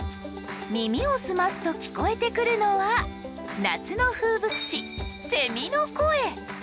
耳を澄ますと聞こえてくるのは夏の風物詩セミの声。